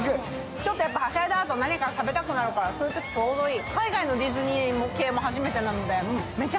ちょっとはしゃいだあと、何か食べたくなるからそういうときちょうどいい。